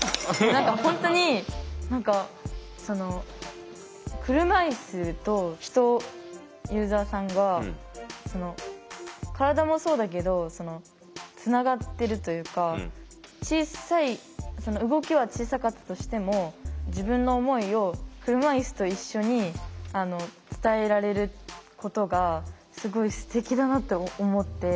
何か本当に何かその車いすと人ユーザーさんが体もそうだけどつながってるというか小さい動きは小さかったとしても自分の思いを車いすと一緒に伝えられることがすごいすてきだなって思って。